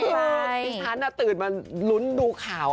คุณผู้ชมคือพี่ฉันน่ะตื่นมาลุ้นดูข่าว